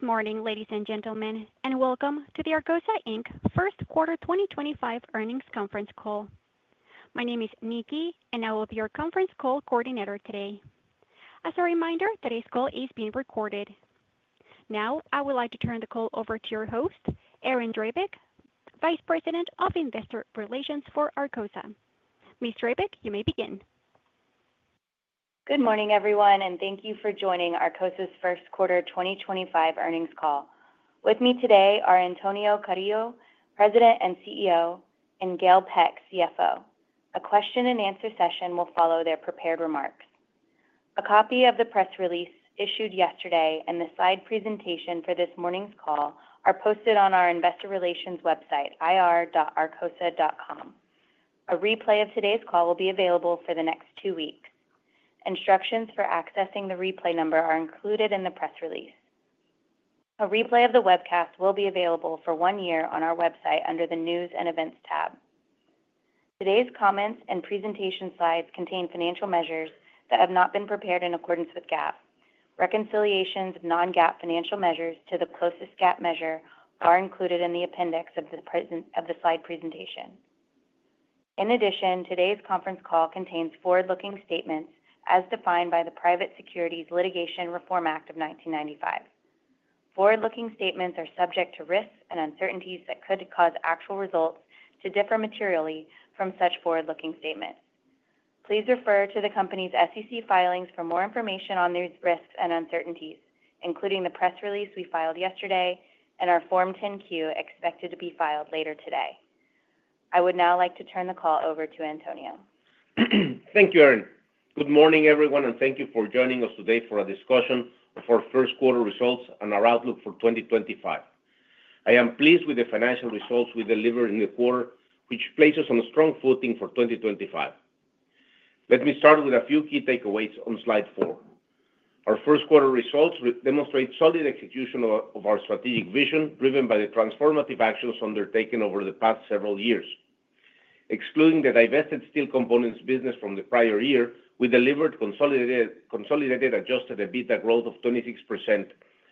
Good morning, ladies and gentlemen, and welcome to the Arcosa First Quarter 2025 Earnings Conference Call. My name is Nikki, and I will be your conference call coordinator today. As a reminder, today's call is being recorded. Now, I would like to turn the call over to your host, Erin Drabek, Vice President of Investor Relations for Arcosa. Ms. Drabek, you may begin. Good morning, everyone, and thank you for joining Arcosa's First Quarter 2025 Earnings Call. With me today are Antonio Carrillo, President and CEO, and Gail Peck, CFO. A question-and-answer session will follow their prepared remarks. A copy of the press release issued yesterday and the slide presentation for this morning's call are posted on our investor relations website, ir.arcosa.com. A replay of today's call will be available for the next two weeks. Instructions for accessing the replay number are included in the press release. A replay of the webcast will be available for one year on our website under the News and Easphvents tab. Today's comments and presentation slides contain financial measures that have not been prepared in accordance with GAAP. Reconciliations of non-GAAP financial measures to the closest GAAP measure are included in the appendix of the slide presentation. In addition, today's conference call contains forward-looking statements as defined by the Private Securities Litigation Reform Act of 1995. Forward-looking statements are subject to risks and uncertainties that could cause actual results to differ materially from such forward-looking statements. Please refer to the company's SEC filings for more information on these risks and uncertainties, including the press release we filed yesterday and our Form 10Q expected to be filed later today. I would now like to turn the call over to Antonio. Thank you, Erin. Good morning, everyone, and thank you for joining us today for a discussion of our first quarter results and our outlook for 2025. I am pleased with the financial results we delivered in the quarter, which places us on a strong footing for 2025. Let me start with a few key takeaways on slide four. Our first quarter results demonstrate solid execution of our strategic vision driven by the transformative actions undertaken over the past several years. Excluding the divested steel components business from the prior year, we delivered consolidated adjusted EBITDA growth of 26%,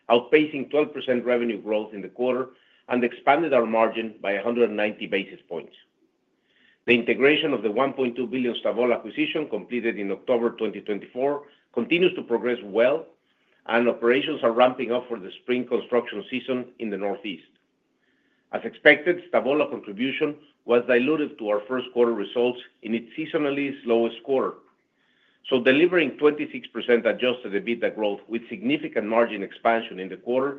outpacing 12% revenue growth in the quarter, and expanded our margin by 190 basis points. The integration of the $1.2 billion Stavola acquisition completed in October 2024 continues to progress well, and operations are ramping up for the spring construction season in the Northeast. As expected, Stavola contribution was diluted to our first quarter results in its seasonally slowest quarter. Delivering 26% adjusted EBITDA growth with significant margin expansion in the quarter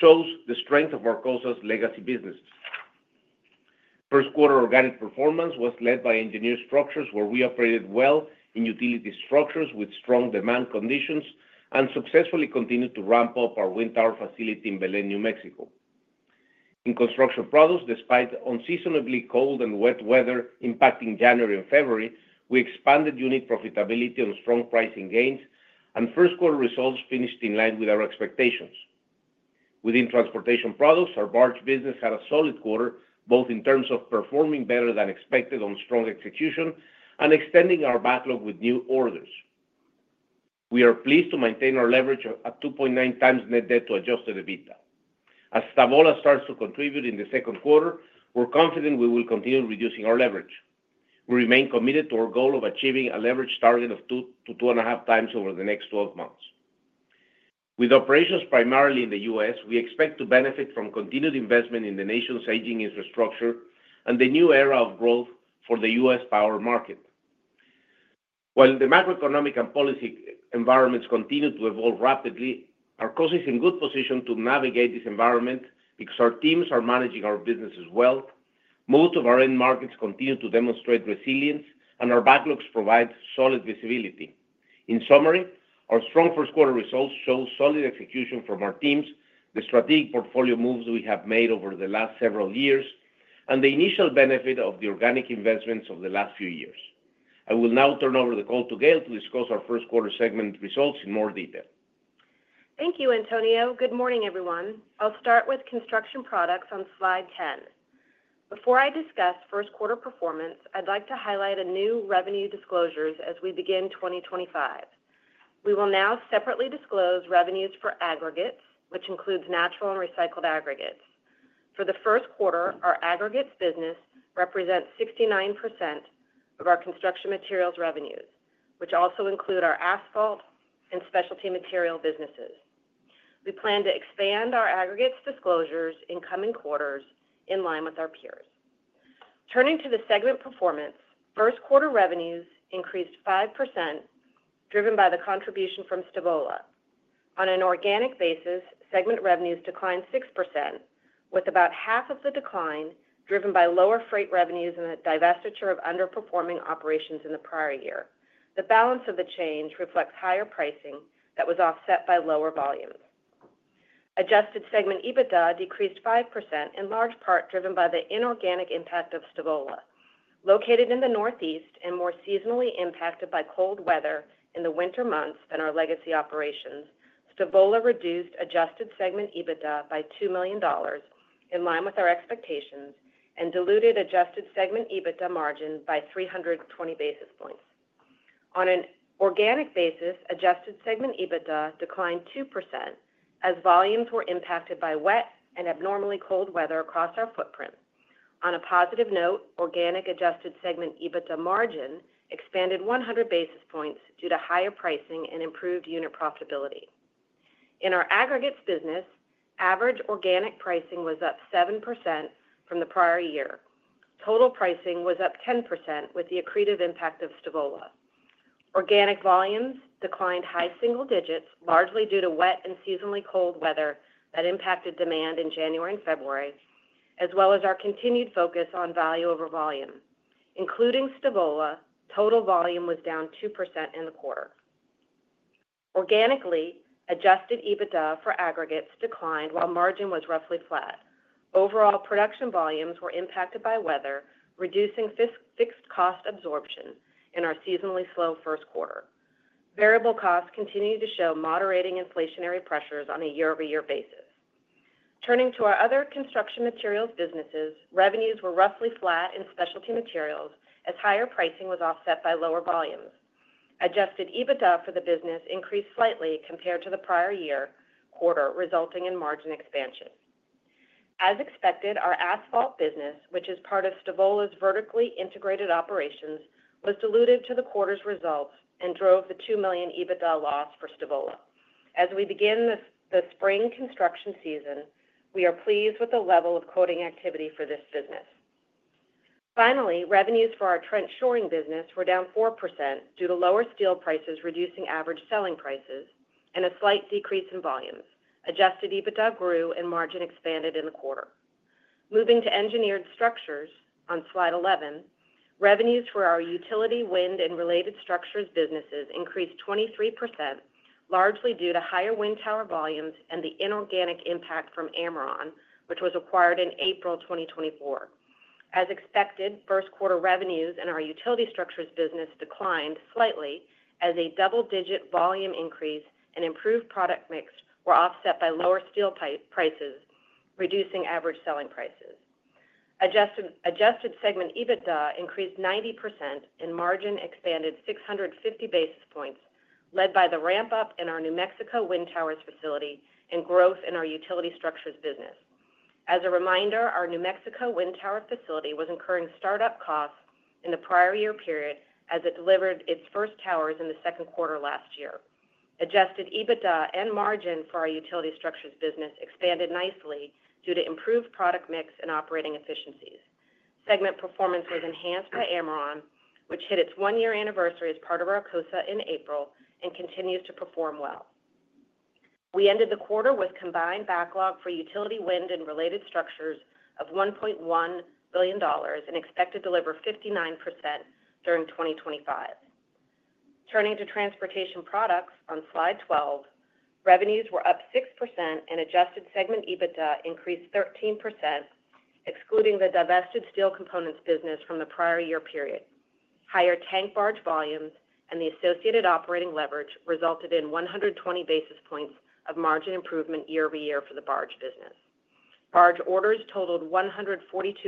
shows the strength of Arcosa's legacy business. First quarter organic performance was led by engineered structures where we operated well in utility structures with strong demand conditions and successfully continued to ramp up our wind tower facility in Belén, New Mexico. In construction products, despite unseasonably cold and wet weather impacting January and February, we expanded unit profitability on strong pricing gains, and first quarter results finished in line with our expectations. Within transportation products, our barge business had a solid quarter both in terms of performing better than expected on strong execution and extending our backlog with new orders. We are pleased to maintain our leverage at 2.9 times net debt to adjusted EBITDA. As Stavola starts to contribute in the second quarter, we're confident we will continue reducing our leverage. We remain committed to our goal of achieving a leverage target of 2-2.5 times over the next 12 months. With operations primarily in the U.S., we expect to benefit from continued investment in the nation's aging infrastructure and the new era of growth for the U.S. power market. While the macroeconomic and policy environments continue to evolve rapidly, Arcosa is in good position to navigate this environment because our teams are managing our businesses well. Most of our end markets continue to demonstrate resilience, and our backlogs provide solid visibility. In summary, our strong first quarter results show solid execution from our teams, the strategic portfolio moves we have made over the last several years, and the initial benefit of the organic investments of the last few years. I will now turn over the call to Gail to discuss our first quarter segment results in more detail. Thank you, Antonio. Good morning, everyone. I'll start with construction products on slide 10. Before I discuss first quarter performance, I'd like to highlight a new revenue disclosure as we begin 2025. We will now separately disclose revenues for aggregates, which includes natural and recycled aggregates. For the first quarter, our aggregates business represents 69% of our construction materials revenues, which also include our asphalt and specialty material businesses. We plan to expand our aggregates disclosures in coming quarters in line with our peers. Turning to the segment performance, first quarter revenues increased 5% driven by the contribution from Stavola. On an organic basis, segment revenues declined 6%, with about half of the decline driven by lower freight revenues and a divestiture of underperforming operations in the prior year. The balance of the change reflects higher pricing that was offset by lower volumes. Adjusted segment EBITDA decreased 5%, in large part driven by the inorganic impact of Stavola. Located in the Northeast and more seasonally impacted by cold weather in the winter months than our legacy operations, Stavola reduced adjusted segment EBITDA by $2 million in line with our expectations and diluted adjusted segment EBITDA margin by 320 basis points. On an organic basis, adjusted segment EBITDA declined 2% as volumes were impacted by wet and abnormally cold weather across our footprint. On a positive note, organic adjusted segment EBITDA margin expanded 100 basis points due to higher pricing and improved unit profitability. In our aggregates business, average organic pricing was up 7% from the prior year. Total pricing was up 10% with the accretive impact of Stavola. Organic volumes declined high single digits, largely due to wet and seasonally cold weather that impacted demand in January and February, as well as our continued focus on value over volume. Including Stavola, total volume was down 2% in the quarter. Organically, adjusted EBITDA for aggregates declined while margin was roughly flat. Overall, production volumes were impacted by weather, reducing fixed cost absorption in our seasonally slow first quarter. Variable costs continue to show moderating inflationary pressures on a year-over-year basis. Turning to our other construction materials businesses, revenues were roughly flat in specialty materials as higher pricing was offset by lower volumes. Adjusted EBITDA for the business increased slightly compared to the prior year quarter, resulting in margin expansion. As expected, our asphalt business, which is part of Stavola's vertically integrated operations, was diluted to the quarter's results and drove the $2 million EBITDA loss for Stavola. As we begin the spring construction season, we are pleased with the level of quoting activity for this business. Finally, revenues for our trench shoring business were down 4% due to lower steel prices reducing average selling prices and a slight decrease in volumes. Adjusted EBITDA grew and margin expanded in the quarter. Moving to engineered structures on slide 11, revenues for our utility, wind, and related structures businesses increased 23%, largely due to higher wind tower volumes and the inorganic impact from Amaron, which was acquired in April 2024. As expected, first quarter revenues in our utility structures business declined slightly as a double-digit volume increase and improved product mix were offset by lower steel prices, reducing average selling prices. Adjusted segment EBITDA increased 90% and margin expanded 650 basis points, led by the ramp-up in our New Mexico wind towers facility and growth in our utility structures business. As a reminder, our New Mexico wind tower facility was incurring startup costs in the prior year period as it delivered its first towers in the second quarter last year. Adjusted EBITDA and margin for our utility structures business expanded nicely due to improved product mix and operating efficiencies. Segment performance was enhanced by Amaron, which hit its one-year anniversary as part of Arcosa in April and continues to perform well. We ended the quarter with combined backlog for utility, wind, and related structures of $1.1 billion and expected to deliver 59% during 2025. Turning to transportation products on slide 12, revenues were up 6% and adjusted segment EBITDA increased 13%, excluding the divested steel components business from the prior year period. Higher tank barge volumes and the associated operating leverage resulted in 120 basis points of margin improvement year-over-year for the barge business. Barge orders totaled $142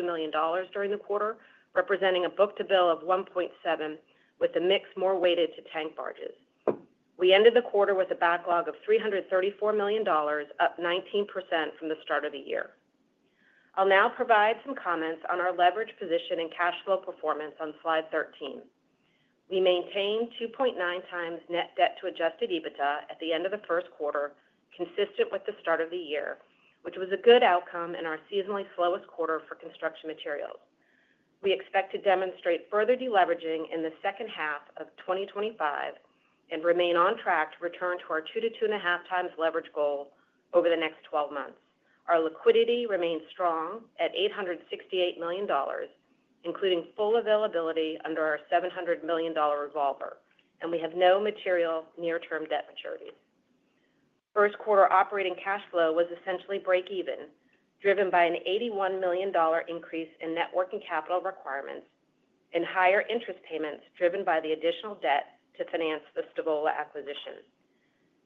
million during the quarter, representing a book-to-bill of 1.7, with the mix more weighted to tank barges. We ended the quarter with a backlog of $334 million, up 19% from the start of the year. I'll now provide some comments on our leverage position and cash flow performance on slide 13. We maintained 2.9 times net debt to adjusted EBITDA at the end of the first quarter, consistent with the start of the year, which was a good outcome in our seasonally slowest quarter for construction materials. We expect to demonstrate further deleveraging in the second half of 2025 and remain on track to return to our 2-2.5 times leverage goal over the next 12 months. Our liquidity remains strong at $868 million, including full availability under our $700 million revolver, and we have no material near-term debt maturities. First quarter operating cash flow was essentially break-even, driven by an $81 million increase in net working capital requirements and higher interest payments driven by the additional debt to finance the Stavola acquisition.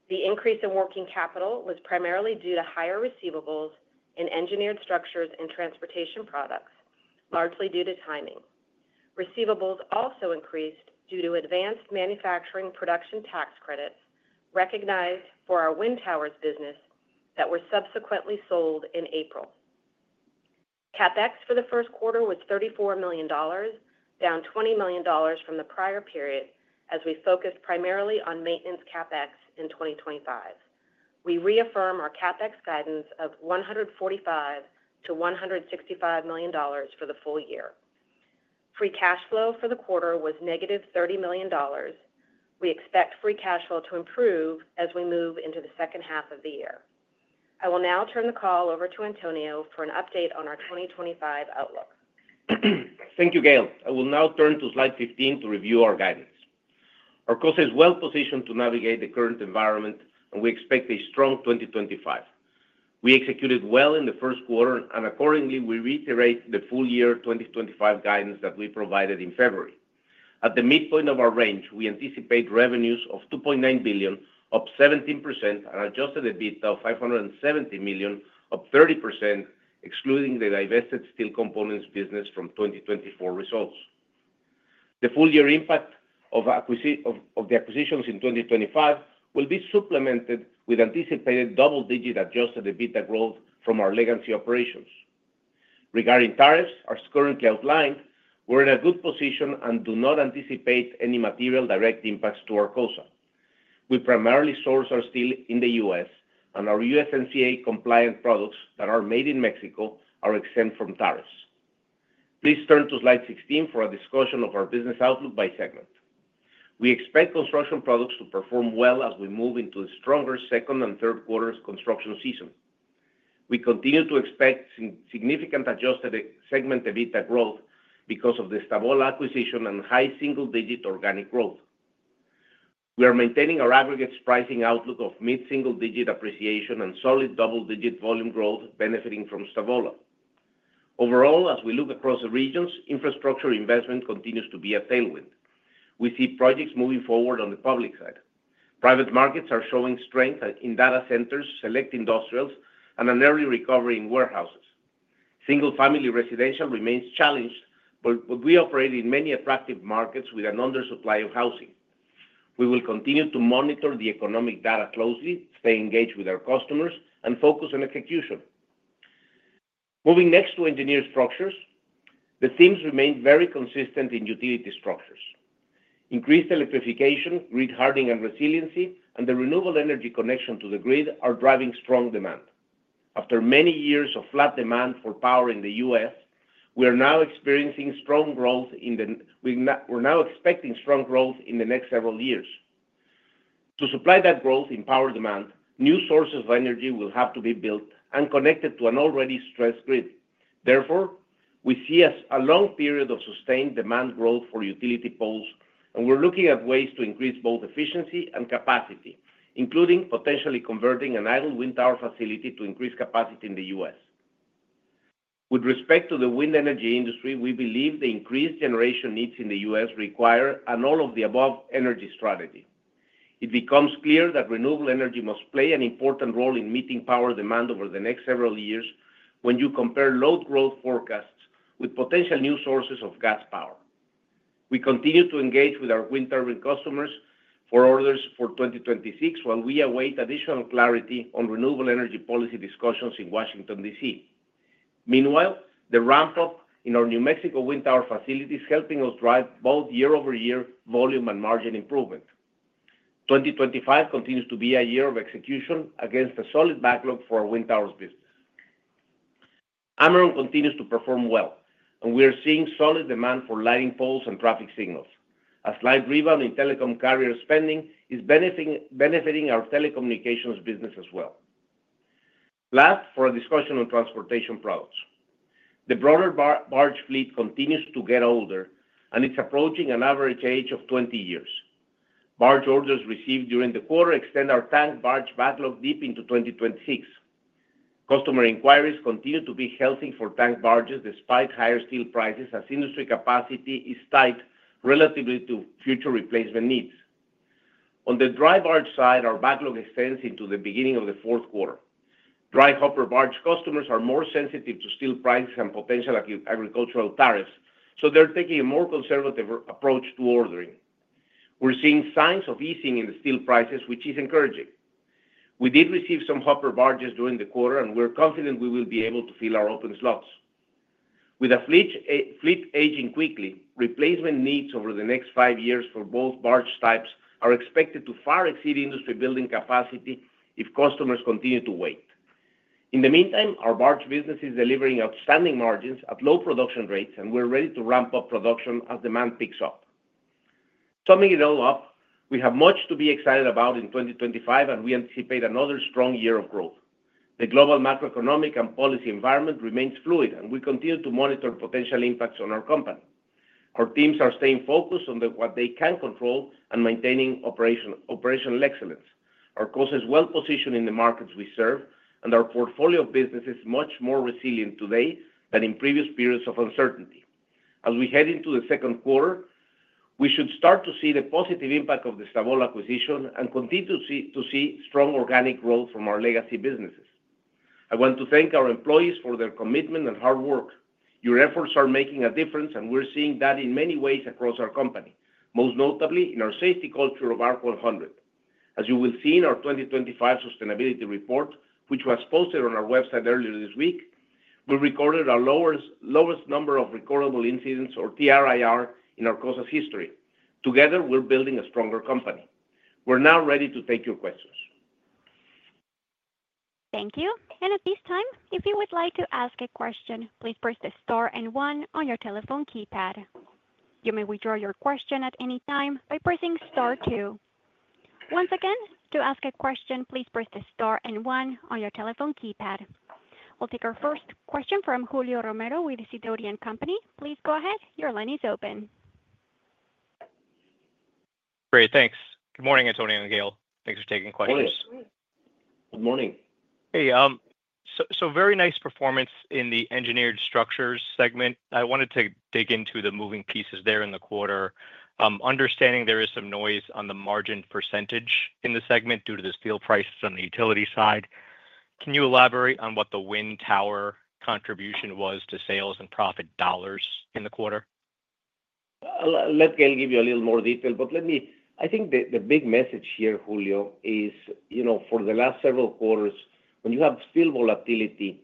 The increase in working capital was primarily due to higher receivables in engineered structures and transportation products, largely due to timing. Receivables also increased due to advanced manufacturing production tax credits recognized for our wind towers business that were subsequently sold in April. CapEx for the first quarter was $34 million, down $20 million from the prior period as we focused primarily on maintenance CapEx in 2025. We reaffirm our CapEx guidance of $145-$165 million for the full year. Free cash flow for the quarter was -$30 million. We expect free cash flow to improve as we move into the second half of the year. I will now turn the call over to Antonio for an update on our 2025 outlook. Thank you, Gail. I will now turn to slide 15 to review our guidance. Arcosa is well-positioned to navigate the current environment, and we expect a strong 2025. We executed well in the first quarter, and accordingly, we reiterate the full-year 2025 guidance that we provided in February. At the midpoint of our range, we anticipate revenues of $2.9 billion, up 17%, and adjusted EBITDA of $570 million, up 30%, excluding the divested steel components business from 2024 results. The full-year impact of the acquisitions in 2025 will be supplemented with anticipated double-digit adjusted EBITDA growth from our legacy operations. Regarding tariffs, as currently outlined, we're in a good position and do not anticipate any material direct impacts to Arcosa. We primarily source our steel in the U.S., and our USMCA-compliant products that are made in Mexico are exempt from tariffs. Please turn to slide 16 for a discussion of our business outlook by segment. We expect construction products to perform well as we move into the stronger second and third quarter construction season. We continue to expect significant adjusted segment EBITDA growth because of the Stavola acquisition and high single-digit organic growth. We are maintaining our aggregates pricing outlook of mid-single-digit appreciation and solid double-digit volume growth benefiting from Stavola. Overall, as we look across the regions, infrastructure investment continues to be a tailwind. We see projects moving forward on the public side. Private markets are showing strength in data centers, select industrials, and an early recovery in warehouses. Single-family residential remains challenged, but we operate in many attractive markets with an undersupply of housing. We will continue to monitor the economic data closely, stay engaged with our customers, and focus on execution. Moving next to engineered structures, the themes remain very consistent in utility structures. Increased electrification, grid hardening and resiliency, and the renewable energy connection to the grid are driving strong demand. After many years of flat demand for power in the U.S., we are now experiencing strong growth in the next several years. To supply that growth in power demand, new sources of energy will have to be built and connected to an already stressed grid. Therefore, we see a long period of sustained demand growth for utility poles, and we're looking at ways to increase both efficiency and capacity, including potentially converting an idle wind tower facility to increase capacity in the U.S. With respect to the wind energy industry, we believe the increased generation needs in the U.S. require an all-of-the-above energy strategy. It becomes clear that renewable energy must play an important role in meeting power demand over the next several years when you compare load growth forecasts with potential new sources of gas power. We continue to engage with our wind turbine customers for orders for 2026 while we await additional clarity on renewable energy policy discussions in Washington, D.C. Meanwhile, the ramp-up in our New Mexico wind tower facility is helping us drive both year-over-year volume and margin improvement. 2025 continues to be a year of execution against a solid backlog for our wind towers business. Amaron continues to perform well, and we are seeing solid demand for lighting poles and traffic signals, a slight rebound in telecom carrier spending is benefiting our telecommunications business as well. Last, for a discussion on transportation products. The broader barge fleet continues to get older, and it's approaching an average age of 20 years. Barge orders received during the quarter extend our tank barge backlog deep into 2026. Customer inquiries continue to be healthy for tank barges despite higher steel prices as industry capacity is tight relative to future replacement needs. On the dry barge side, our backlog extends into the beginning of the fourth quarter. Dry hopper barge customers are more sensitive to steel prices and potential agricultural tariffs, so they're taking a more conservative approach to ordering. We're seeing signs of easing in the steel prices, which is encouraging. We did receive some hopper barges during the quarter, and we're confident we will be able to fill our open slots. With the fleet aging quickly, replacement needs over the next five years for both barge types are expected to far exceed industry building capacity if customers continue to wait. In the meantime, our barge business is delivering outstanding margins at low production rates, and we're ready to ramp up production as demand picks up. Summing it all up, we have much to be excited about in 2025, and we anticipate another strong year of growth. The global macroeconomic and policy environment remains fluid, and we continue to monitor potential impacts on our company. Our teams are staying focused on what they can control and maintaining operational excellence. Arcosa is well-positioned in the markets we serve, and our portfolio of business is much more resilient today than in previous periods of uncertainty. As we head into the second quarter, we should start to see the positive impact of the Stavola acquisition and continue to see strong organic growth from our legacy businesses. I want to thank our employees for their commitment and hard work. Your efforts are making a difference, and we're seeing that in many ways across our company, most notably in our safety culture of ARC 100. As you will see in our 2025 sustainability report, which was posted on our website earlier this week, we recorded our lowest number of recordable incidents, or TRIR, in Arcosa's history. Together, we're building a stronger company. We're now ready to take your questions. Thank you. At this time, if you would like to ask a question, please press the star and one on your telephone keypad. You may withdraw your question at any time by pressing star two. Once again, to ask a question, please press the star and one on your telephone keypad. We'll take our first question from Julio Romero with Sidoti & Company. Please go ahead. Your line is open. Great. Thanks. Good morning, Antonio and Gail. Thanks for taking questions. Hello. Good morning. Hey. Very nice performance in the engineered structures segment. I wanted to dig into the moving pieces there in the quarter. Understanding there is some noise on the margin percentage in the segment due to the steel prices on the utility side. Can you elaborate on what the wind tower contribution was to sales and profit dollars in the quarter? Let Gail give you a little more detail, but let me, I think the big message here, Julio, is for the last several quarters, when you have steel volatility,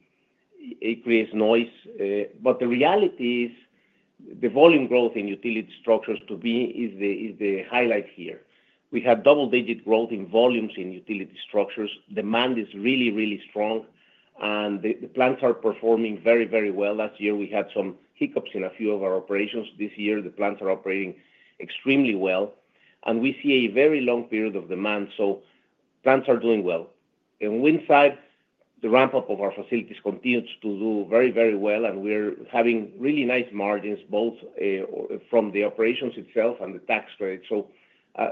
it creates noise. The reality is the volume growth in utility structures to me is the highlight here. We have double-digit growth in volumes in utility structures. Demand is really, really strong, and the plants are performing very, very well. Last year, we had some hiccups in a few of our operations. This year, the plants are operating extremely well, and we see a very long period of demand. Plants are doing well. On the wind side, the ramp-up of our facilities continues to do very, very well, and we're having really nice margins both from the operations itself and the tax credit.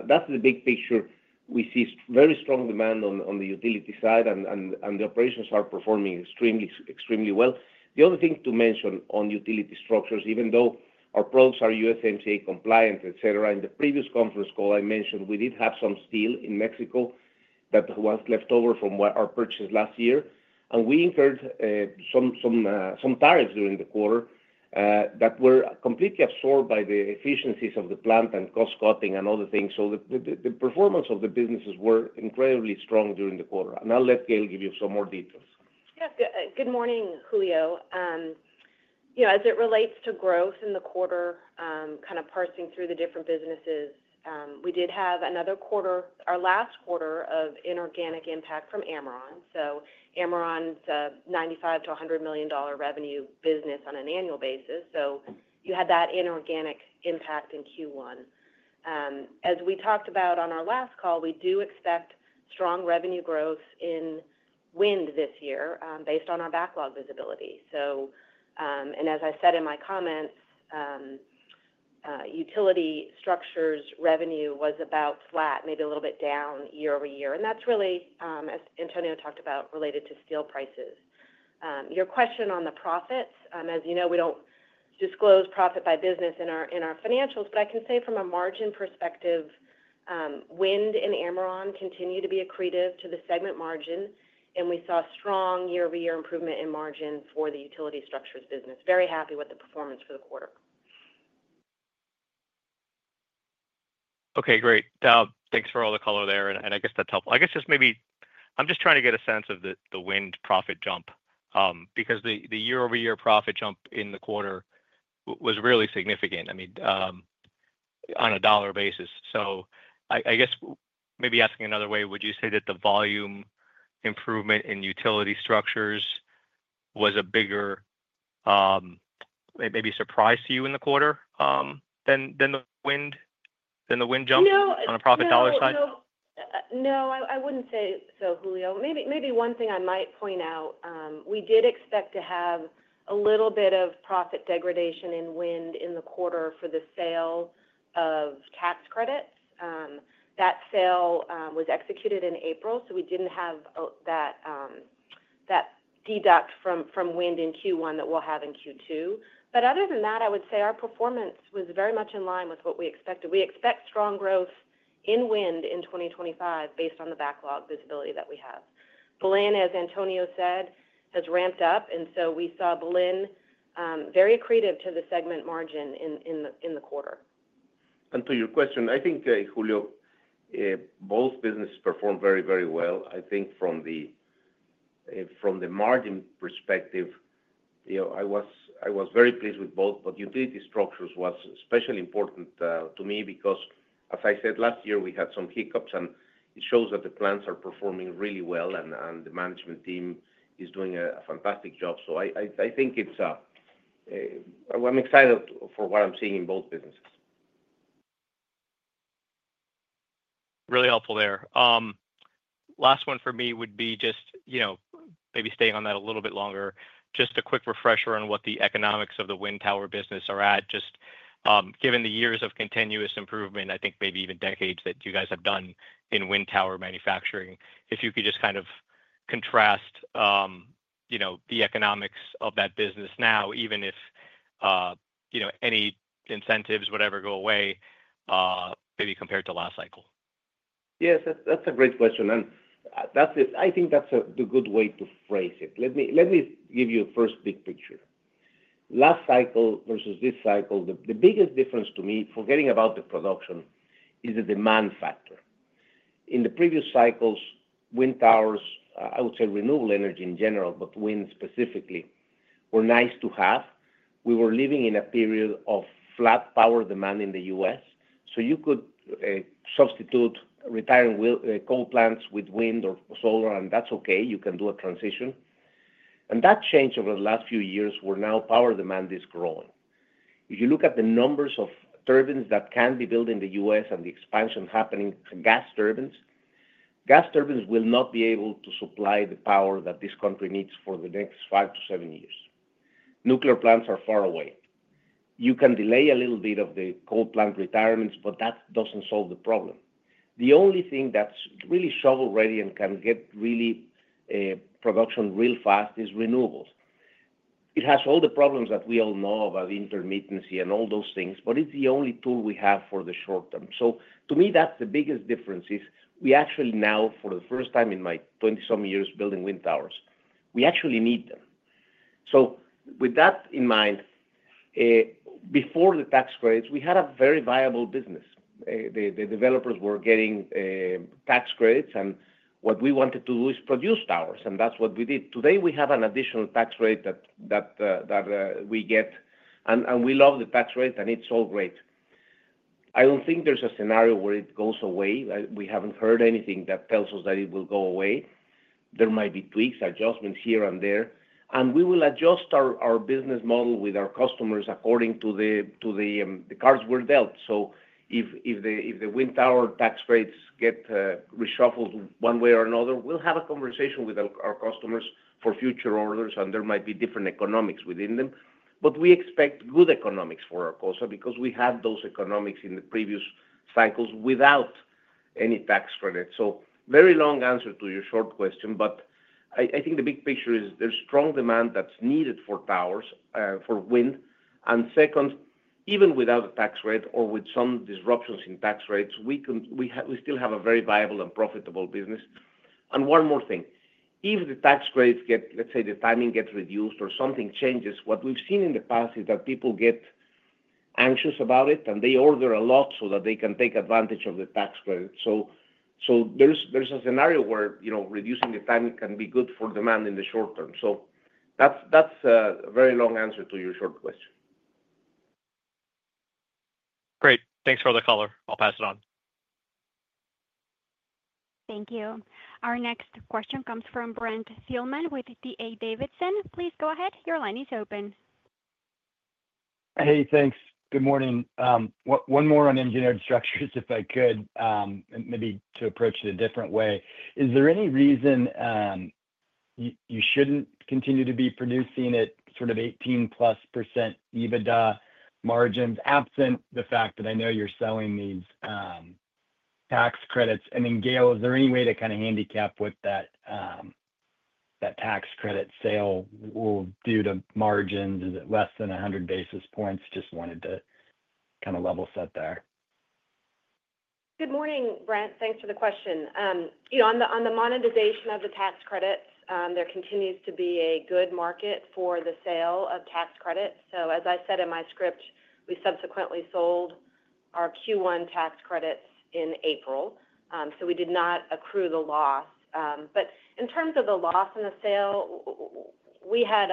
That's the big picture. We see very strong demand on the utility side, and the operations are performing extremely, extremely well. The other thing to mention on utility structures, even though our products are USMCA compliant, etc., in the previous conference call I mentioned, we did have some steel in Mexico that was left over from our purchase last year, and we incurred some tariffs during the quarter that were completely absorbed by the efficiencies of the plant and cost-cutting and other things. The performance of the businesses were incredibly strong during the quarter. I'll let Gail give you some more details. Yes. Good morning, Julio. As it relates to growth in the quarter, kind of parsing through the different businesses, we did have another quarter, our last quarter, of inorganic impact from Amaron. So Amaron's a $95-$100 million revenue business on an annual basis. You had that inorganic impact in Q1. As we talked about on our last call, we do expect strong revenue growth in wind this year based on our backlog visibility. As I said in my comments, utility structures revenue was about flat, maybe a little bit down year over year. That is really, as Antonio talked about, related to steel prices. Your question on the profits, as you know, we don't disclose profit by business in our financials, but I can say from a margin perspective, wind and Amaron continued to be accretive to the segment margin, and we saw strong year-over-year improvement in margin for the utility structures business. Very happy with the performance for the quarter. Okay. Great. Thanks for all the color there. I guess that's helpful. I guess just maybe I'm just trying to get a sense of the wind profit jump because the year-over-year profit jump in the quarter was really significant, I mean, on a dollar basis. I guess maybe asking another way, would you say that the volume improvement in utility structures was a bigger maybe surprise to you in the quarter than the wind jump on a profit dollar side? No. No, I would not say so, Julio. Maybe one thing I might point out, we did expect to have a little bit of profit degradation in wind in the quarter for the sale of tax credits. That sale was executed in April, so we did not have that deduct from wind in Q1 that we will have in Q2. Other than that, I would say our performance was very much in line with what we expected. We expect strong growth in wind in 2025 based on the backlog visibility that we have. Belén, as Antonio said, has ramped up, and we saw Belén very accretive to the segment margin in the quarter. To your question, I think, Julio, both businesses performed very, very well. I think from the margin perspective, I was very pleased with both, but utility structures was especially important to me because, as I said, last year, we had some hiccups, and it shows that the plants are performing really well, and the management team is doing a fantastic job. I think I'm excited for what I'm seeing in both businesses. Really helpful there. Last one for me would be just maybe staying on that a little bit longer, just a quick refresher on what the economics of the wind tower business are at, just given the years of continuous improvement, I think maybe even decades that you guys have done in wind tower manufacturing. If you could just kind of contrast the economics of that business now, even if any incentives, whatever, go away, maybe compared to last cycle. Yes. That's a great question. I think that's a good way to phrase it. Let me give you a first big picture. Last cycle versus this cycle, the biggest difference to me, forgetting about the production, is the demand factor. In the previous cycles, wind towers, I would say renewable energy in general, but wind specifically, were nice to have. We were living in a period of flat power demand in the U.S., so you could substitute retiring coal plants with wind or solar, and that's okay. You can do a transition. That changed over the last few years where now power demand is growing. If you look at the numbers of turbines that can be built in the U.S. and the expansion happening, gas turbines, gas turbines will not be able to supply the power that this country needs for the next five to seven years. Nuclear plants are far away. You can delay a little bit of the coal plant retirements, but that does not solve the problem. The only thing that is really shovel-ready and can get really production real fast is renewables. It has all the problems that we all know about, intermittency and all those things, but it is the only tool we have for the short term. To me, that is the biggest difference, is we actually now, for the first time in my 20-some years building wind towers, we actually need them. With that in mind, before the tax credits, we had a very viable business. The developers were getting tax credits, and what we wanted to do is produce towers, and that is what we did. Today, we have an additional tax rate that we get, and we love the tax rate, and it is so great. I don't think there's a scenario where it goes away. We haven't heard anything that tells us that it will go away. There might be tweaks, adjustments here and there, and we will adjust our business model with our customers according to the cards we're dealt. If the wind tower tax rates get reshuffled one way or another, we'll have a conversation with our customers for future orders, and there might be different economics within them. We expect good economics for Arcosa because we had those economics in the previous cycles without any tax credit. Very long answer to your short question, but I think the big picture is there's strong demand that's needed for towers, for wind. Second, even without a tax rate or with some disruptions in tax rates, we still have a very viable and profitable business. One more thing. If the tax credits get, let's say the timing gets reduced or something changes, what we've seen in the past is that people get anxious about it, and they order a lot so that they can take advantage of the tax credit. There is a scenario where reducing the time can be good for demand in the short term. That is a very long answer to your short question. Great. Thanks for the color. I'll pass it on. Thank you. Our next question comes from Brent Thielman with DA Davidson. Please go ahead. Your line is open. Hey, thanks. Good morning. One more on engineered structures, if I could, maybe to approach it a different way. Is there any reason you should not continue to be producing at sort of 18%+ EBITDA margins absent the fact that I know you are selling these tax credits? And then, Gail, is there any way to kind of handicap what that tax credit sale will do to margins? Is it less than 100 basis points? Just wanted to kind of level set there. Good morning, Brent. Thanks for the question. On the monetization of the tax credits, there continues to be a good market for the sale of tax credits. As I said in my script, we subsequently sold our Q1 tax credits in April. We did not accrue the loss. In terms of the loss in the sale, we had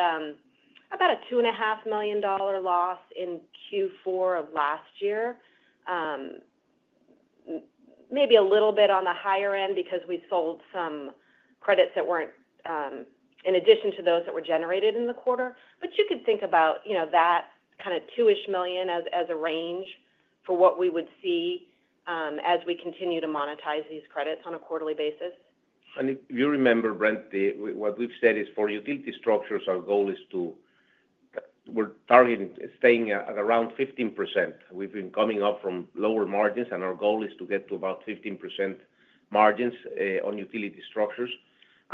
about a $2.5 million loss in Q4 of last year, maybe a little bit on the higher end because we sold some credits that were in addition to those that were generated in the quarter. You could think about that kind of $2 million-ish as a range for what we would see as we continue to monetize these credits on a quarterly basis. If you remember, Brent, what we've said is for utility structures, our goal is to we're targeting staying at around 15%. We've been coming up from lower margins, and our goal is to get to about 15% margins on utility structures.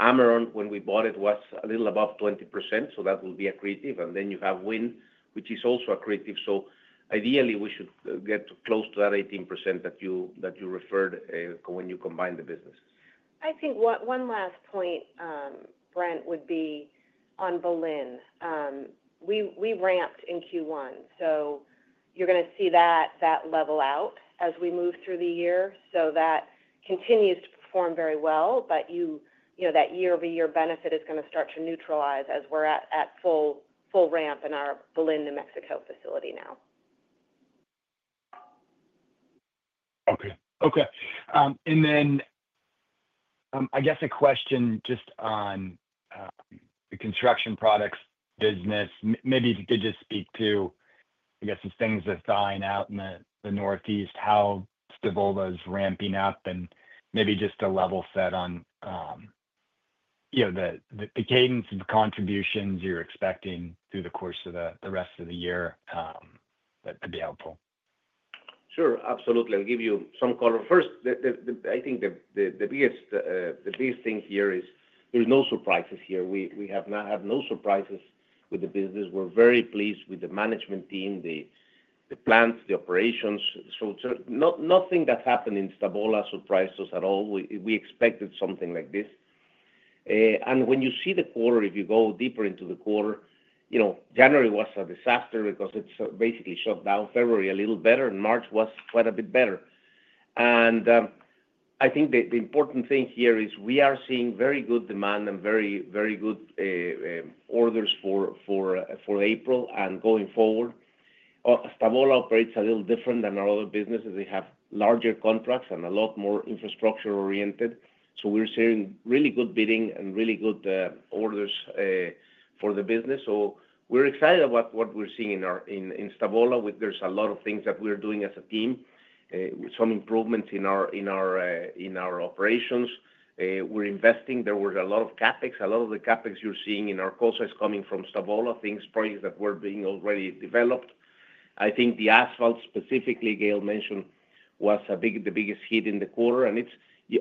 Amaron, when we bought it, was a little above 20%, so that would be accretive. Then you have wind, which is also accretive. Ideally, we should get close to that 18% that you referred when you combined the businesses. I think one last point, Brent, would be on Belén. We ramped in Q1, so you're going to see that level out as we move through the year. That continues to perform very well, but that year-over-year benefit is going to start to neutralize as we're at full ramp in our Belén, New Mexico facility now. Okay. Okay. I guess a question just on the construction products business, maybe to just speak to, I guess, the things that's dying out in the Northeast, how Stavola is ramping up, and maybe just a level set on the cadence of contributions you're expecting through the course of the rest of the year that could be helpful. Sure. Absolutely. I'll give you some color. First, I think the biggest thing here is there's no surprises here. We have not had no surprises with the business. We're very pleased with the management team, the plants, the operations. Nothing that happened in Stavola surprised us at all. We expected something like this. When you see the quarter, if you go deeper into the quarter, January was a disaster because it basically shut down. February a little better, and March was quite a bit better. I think the important thing here is we are seeing very good demand and very good orders for April and going forward. Stavola operates a little different than our other businesses. They have larger contracts and a lot more infrastructure-oriented. We are seeing really good bidding and really good orders for the business. We are excited about what we are seeing in Stavola. There are a lot of things that we are doing as a team, some improvements in our operations. We are investing. There were a lot of CapEx. A lot of the CapEx you are seeing in Arcosa is coming from Stavola, things, projects that were being already developed. I think the asphalt specifically Gail mentioned was the biggest hit in the quarter.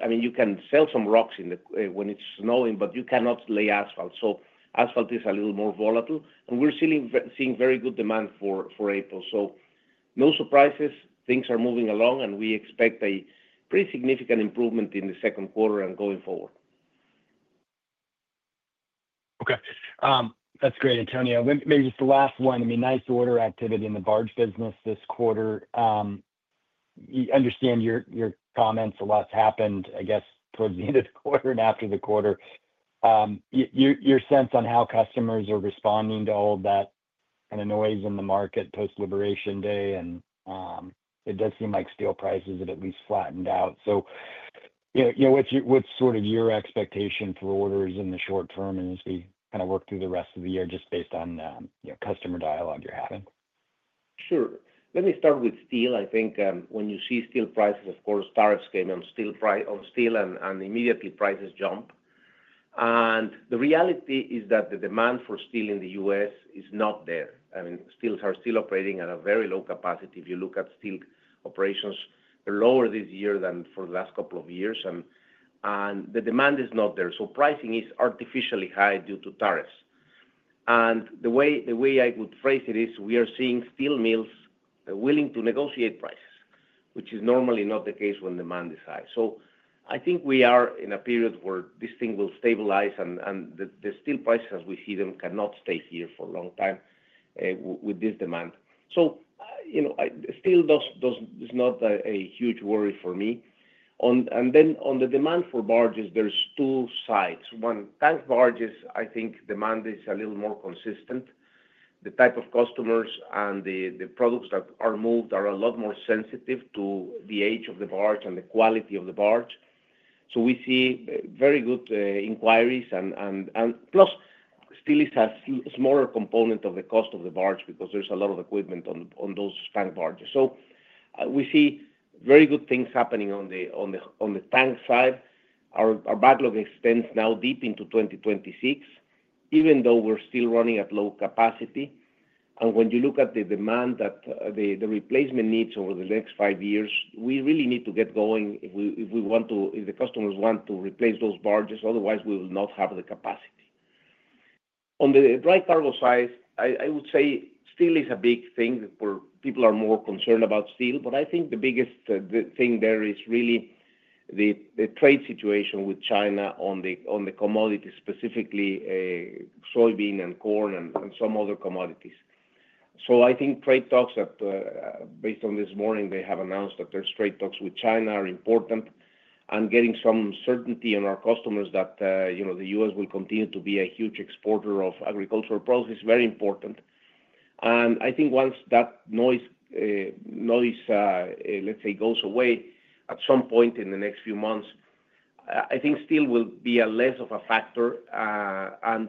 I mean, you can sell some rocks when it is snowing, but you cannot lay asphalt. Asphalt is a little more volatile. We're seeing very good demand for April. No surprises. Things are moving along, and we expect a pretty significant improvement in the second quarter and going forward. Okay. That's great, Antonio. Maybe just the last one. I mean, nice order activity in the barge business this quarter. I understand your comments, a lot's happened, I guess, towards the end of the quarter and after the quarter. Your sense on how customers are responding to all that kind of noise in the market post-liberation day, and it does seem like steel prices have at least flattened out. What's sort of your expectation for orders in the short term as we kind of work through the rest of the year just based on customer dialogue you're having? Sure. Let me start with steel. I think when you see steel prices, of course, tariffs came on steel, and immediately prices jump. The reality is that the demand for steel in the U.S. is not there. I mean, steels are still operating at a very low capacity. If you look at steel operations, they're lower this year than for the last couple of years, and the demand is not there. Pricing is artificially high due to tariffs. The way I would phrase it is we are seeing steel mills willing to negotiate prices, which is normally not the case when demand is high. I think we are in a period where this thing will stabilize, and the steel prices, as we see them, cannot stay here for a long time with this demand. Steel is not a huge worry for me. On the demand for barges, there are two sides. One, tank barges, I think demand is a little more consistent. The type of customers and the products that are moved are a lot more sensitive to the age of the barge and the quality of the barge. We see very good inquiries. Plus, steel is a smaller component of the cost of the barge because there is a lot of equipment on those tank barges. We see very good things happening on the tank side. Our backlog extends now deep into 2026, even though we are still running at low capacity. When you look at the demand that the replacement needs over the next five years, we really need to get going if we want to, if the customers want to replace those barges. Otherwise, we will not have the capacity. On the dry cargo side, I would say steel is a big thing where people are more concerned about steel. I think the biggest thing there is really the trade situation with China on the commodities, specifically soybean and corn and some other commodities. I think trade talks that, based on this morning, they have announced that there's trade talks with China are important and getting some certainty on our customers that the U.S. will continue to be a huge exporter of agricultural products is very important. I think once that noise, let's say, goes away at some point in the next few months, I think steel will be less of a factor.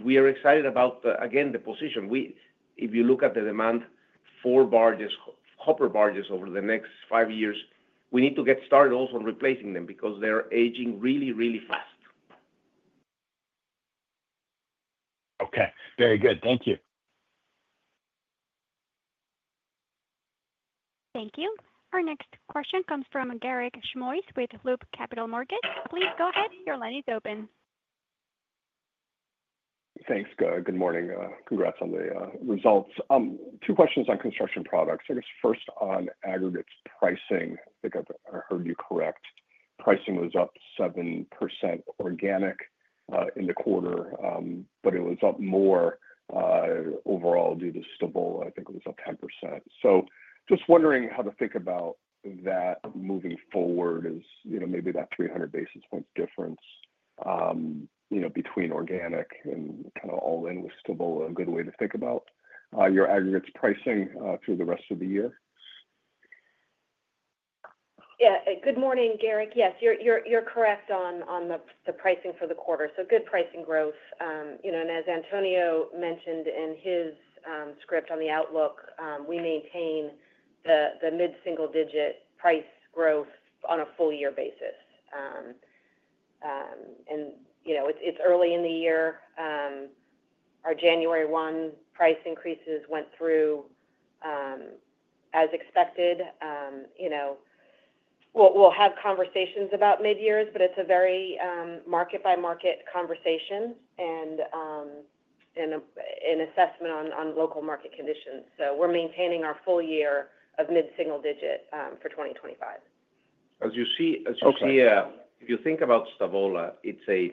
We are excited about, again, the position. If you look at the demand for hopper barges over the next five years, we need to get started also on replacing them because they're aging really, really fast. Okay. Very good. Thank you. Thank you. Our next question comes from Garik Shmois with Loop Capital Markets. Please go ahead. Your line is open. Thanks, Garik. Good morning. Congrats on the results. Two questions on construction products. I guess first on aggregates pricing. I think I heard you correct. Pricing was up 7% organic in the quarter, but it was up more overall due to Stavola. I think it was up 10%. So just wondering how to think about that moving forward is maybe that 300 basis point difference between organic and kind of all-in with Stavola a good way to think about your aggregates pricing through the rest of the year? Yeah. Good morning, Garik. Yes, you're correct on the pricing for the quarter. So good pricing growth. And as Antonio mentioned in his script on the outlook, we maintain the mid-single-digit price growth on a full-year basis. And it's early in the year. Our January 1 price increases went through as expected. We'll have conversations about mid-years, but it's a very market-by-market conversation and an assessment on local market conditions. So we're maintaining our full year of mid-single digit for 2025. As you see, if you think about Stavola, it's a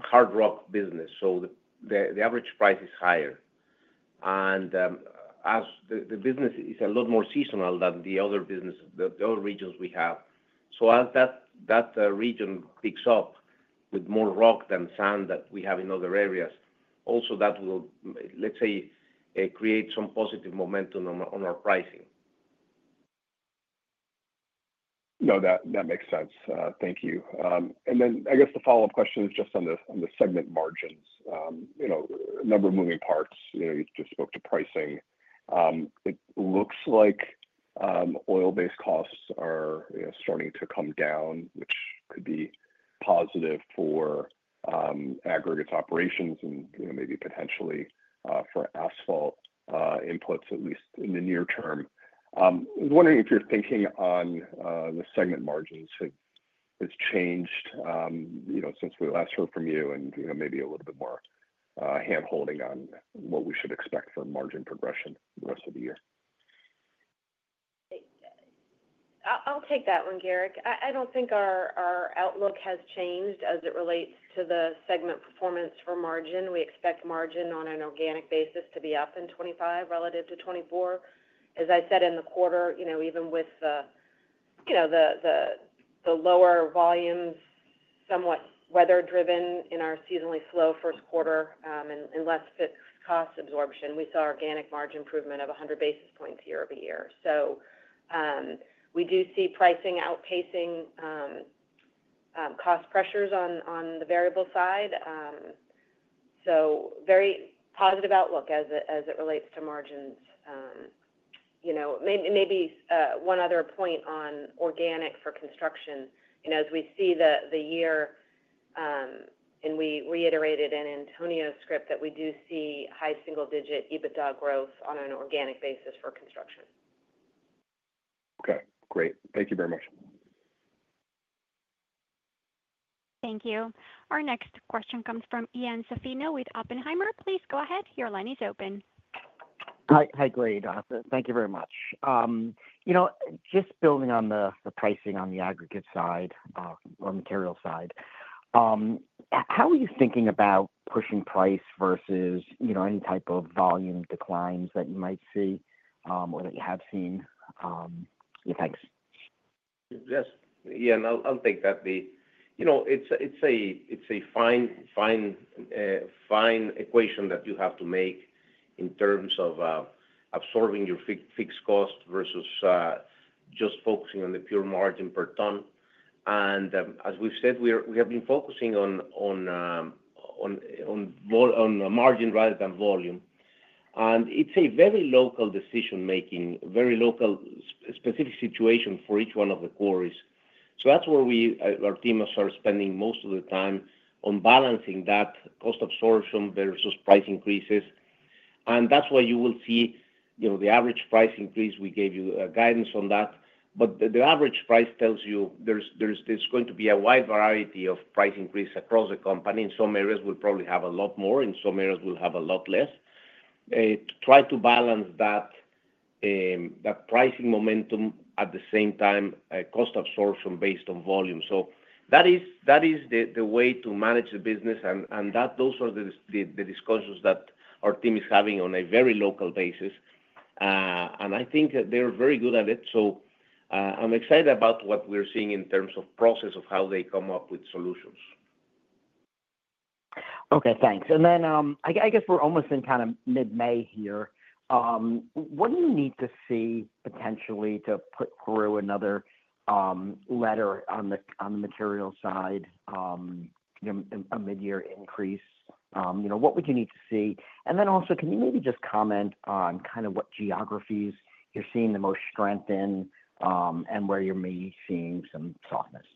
hard rock business. The average price is higher. The business is a lot more seasonal than the other businesses, the other regions we have. As that region picks up with more rock than sand that we have in other areas, also that will, let's say, create some positive momentum on our pricing. No, that makes sense. Thank you. I guess the follow-up question is just on the segment margins, a number of moving parts. You just spoke to pricing. It looks like oil-based costs are starting to come down, which could be positive for aggregates operations and maybe potentially for asphalt inputs, at least in the near term. I was wondering if your thinking on the segment margins have changed since we last heard from you and maybe a little bit more hand-holding on what we should expect for margin progression the rest of the year. I'll take that one, Garik. I don't think our outlook has changed as it relates to the segment performance for margin. We expect margin on an organic basis to be up in 2025 relative to 2024. As I said in the quarter, even with the lower volumes, somewhat weather-driven in our seasonally slow first quarter and less fixed cost absorption, we saw organic margin improvement of 100 basis points year over year. We do see pricing outpacing cost pressures on the variable side. Very positive outlook as it relates to margins. Maybe one other point on organic for construction. As we see the year, and we reiterated in Antonio's script that we do see high single-digit EBITDA growth on an organic basis for construction. Okay. Great. Thank you very much. Thank you. Our next question comes from Ian Zaffino with Oppenheimer. Please go ahead. Your line is open. Hi, Gray. Thank you very much. Just building on the pricing on the aggregate side or material side, how are you thinking about pushing price versus any type of volume declines that you might see or that you have seen? Thanks. Yes. Yeah. I'll take that. It's a fine equation that you have to make in terms of absorbing your fixed cost versus just focusing on the pure margin per ton. As we've said, we have been focusing on margin rather than volume. It's a very local decision-making, very local specific situation for each one of the quarries. That's where our team started spending most of the time on balancing that cost absorption versus price increases. That's why you will see the average price increase. We gave you guidance on that. The average price tells you there's going to be a wide variety of price increase across the company. In some areas, we'll probably have a lot more. In some areas, we'll have a lot less. Try to balance that pricing momentum at the same time cost absorption based on volume. That is the way to manage the business. Those are the discussions that our team is having on a very local basis. I think they're very good at it. I'm excited about what we're seeing in terms of process of how they come up with solutions. Okay. Thanks. I guess we're almost in kind of mid-May here. What do you need to see potentially to put through another letter on the material side, a mid-year increase? What would you need to see? Can you maybe just comment on kind of what geographies you're seeing the most strength in and where you're maybe seeing some softness?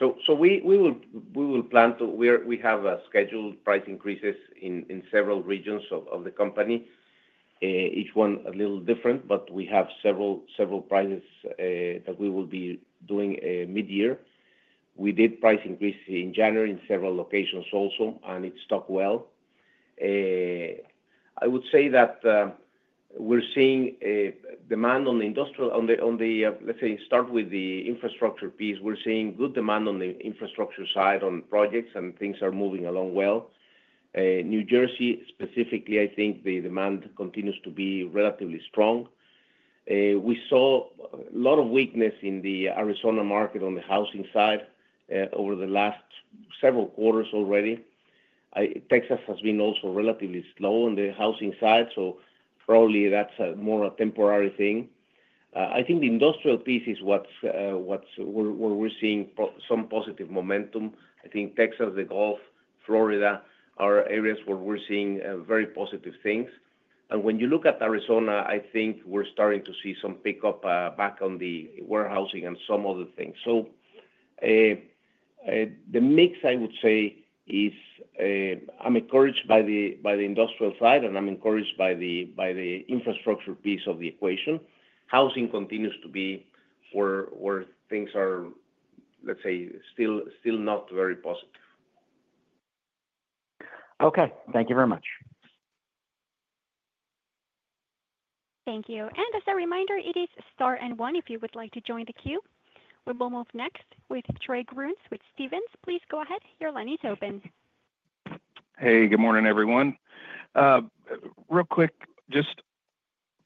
Thanks. We have scheduled price increases in several regions of the company, each one a little different, but we have several prices that we will be doing mid-year. We did a price increase in January in several locations also, and it stuck well. I would say that we're seeing demand on the industrial, on the, let's say, start with the infrastructure piece. We're seeing good demand on the infrastructure side on projects, and things are moving along well. New Jersey, specifically, I think the demand continues to be relatively strong. We saw a lot of weakness in the Arizona market on the housing side over the last several quarters already. Texas has been also relatively slow on the housing side. Probably that's more a temporary thing. I think the industrial piece is where we're seeing some positive momentum. I think Texas, the Gulf, Florida are areas where we're seeing very positive things. When you look at Arizona, I think we're starting to see some pickup back on the warehousing and some other things. The mix, I would say, is I'm encouraged by the industrial side, and I'm encouraged by the infrastructure piece of the equation. Housing continues to be where things are, let's say, still not very positive. Okay. Thank you very much. Thank you. As a reminder, it is star and one if you would like to join the queue. We will move next with Trey Grooms with Stephens. Please go ahead. Your line is open. Hey, good morning, everyone. Real quick, just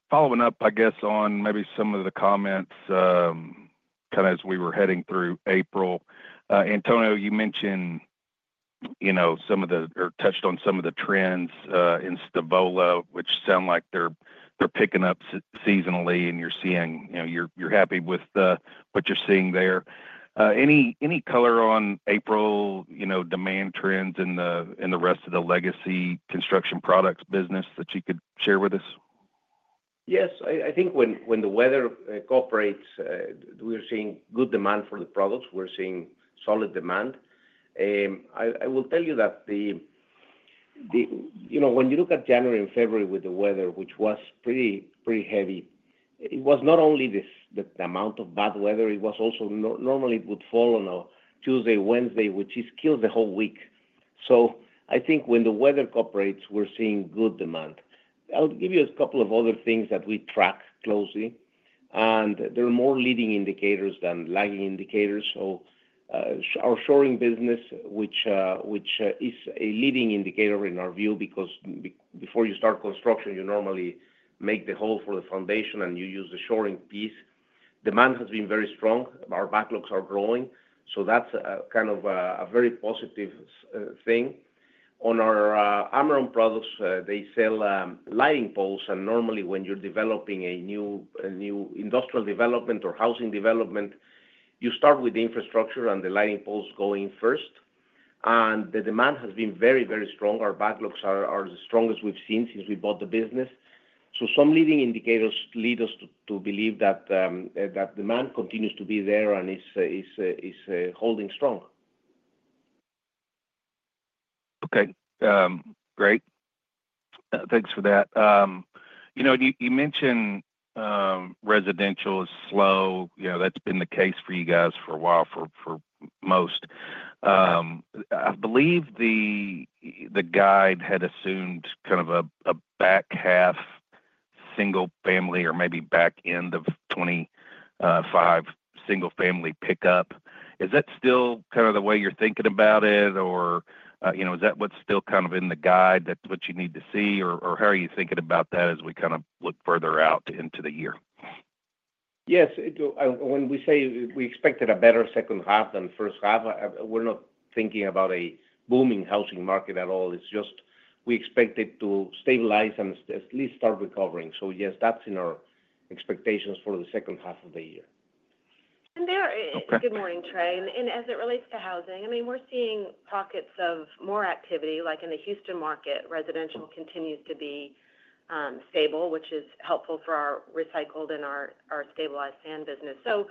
following up, I guess, on maybe some of the comments kind of as we were heading through April. Antonio, you mentioned some of the or touched on some of the trends in Stavola, which sound like they're picking up seasonally, and you're happy with what you're seeing there. Any color on April demand trends in the rest of the legacy construction products business that you could share with us? Yes. I think when the weather cooperates, we're seeing good demand for the products. We're seeing solid demand. I will tell you that when you look at January and February with the weather, which was pretty heavy, it was not only the amount of bad weather. It was also normally it would fall on a Tuesday, Wednesday, which kills the whole week. I think when the weather cooperates, we're seeing good demand. I'll give you a couple of other things that we track closely. There are more leading indicators than lagging indicators. Our shoring business, which is a leading indicator in our view, because before you start construction, you normally make the hole for the foundation, and you use the shoring piece. Demand has been very strong. Our backlogs are growing. That's kind of a very positive thing. On our Amaron products, they sell lighting poles. Normally, when you're developing a new industrial development or housing development, you start with the infrastructure and the lighting poles going first. The demand has been very, very strong. Our backlogs are the strongest we've seen since we bought the business. Some leading indicators lead us to believe that demand continues to be there and is holding strong. Okay. Great. Thanks for that. You mentioned residential is slow. That's been the case for you guys for a while for most. I believe the guide had assumed kind of a back half single family or maybe back end of 2025 single family pickup. Is that still kind of the way you're thinking about it, or is that what's still kind of in the guide that's what you need to see, or how are you thinking about that as we kind of look further out into the year? Yes. When we say we expected a better second half than first half, we're not thinking about a booming housing market at all. It's just we expect it to stabilize and at least start recovering. Yes, that's in our expectations for the second half of the year. Good morning, Trey. As it relates to housing, I mean, we're seeing pockets of more activity. Like in the Houston market, residential continues to be stable, which is helpful for our recycled and our stabilized sand business. As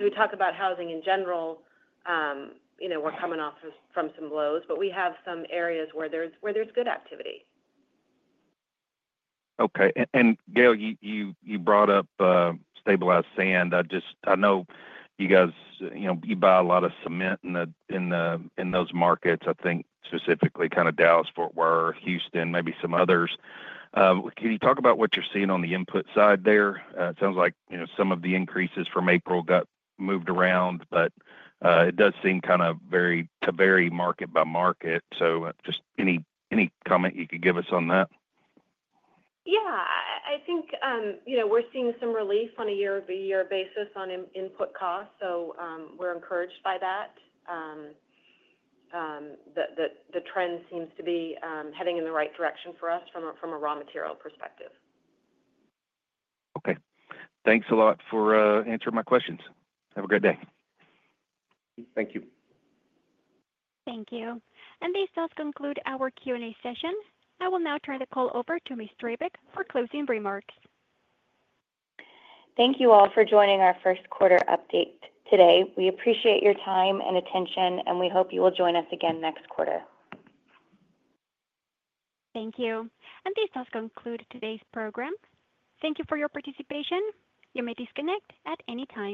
we talk about housing in general, we're coming off from some lows, but we have some areas where there's good activity. Okay. Gail, you brought up stabilized sand. I know you guys buy a lot of cement in those markets, I think, specifically kind of Dallas, Fort Worth, Houston, maybe some others. Can you talk about what you're seeing on the input side there? It sounds like some of the increases from April got moved around, but it does seem kind of to vary market by market. Just any comment you could give us on that? Yeah. I think we're seeing some relief on a year-over-year basis on input costs. So we're encouraged by that. The trend seems to be heading in the right direction for us from a raw material perspective. Okay. Thanks a lot for answering my questions. Have a great day. Thank you. Thank you. This does conclude our Q&A session. I will now turn the call over to Ms. Drabek for closing remarks. Thank you all for joining our first quarter update today. We appreciate your time and attention, and we hope you will join us again next quarter. Thank you. This does conclude today's program. Thank you for your participation. You may disconnect at any time.